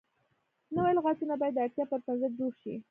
نوي لغتونه باید د اړتیا پر بنسټ جوړ شي.